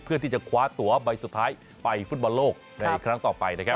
เพื่อที่จะคว้าตัวใบสุดท้ายไปฟุตบอลโลกในครั้งต่อไปนะครับ